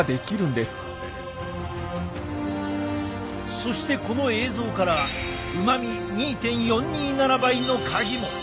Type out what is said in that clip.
そしてこの映像からうまみ２．４２７倍の鍵も！